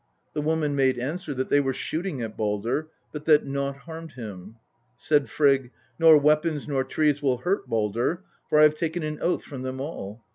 The woman made answer that they were shooting at Baldr, but that nought harmed him. Said Frigg ' Nor weapons nor trees will hurt Baldr, for I have taken an oath from them all.'